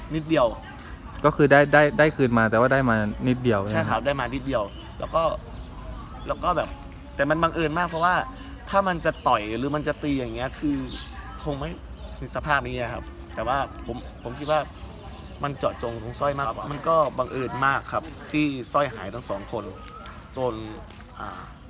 ตีอย่างเงี้ยคือคงไม่มีสภาพอย่างเงี้ยครับแต่ว่าผมผมคิดว่ามันเจาะจงตรงสร้อยมากมันก็บังเอิญมากครับที่สร้อยหายทั้งสองคนโดนอ่า